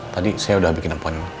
tadi saya udah bikin poin